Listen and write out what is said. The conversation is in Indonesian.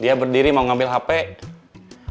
dia berdiri mau ngambil hapat dia berdiri mau ngambil hapat